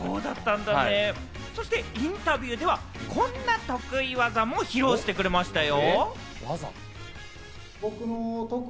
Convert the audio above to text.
インタビューでは、こんな得意技も披露してくれましたよ。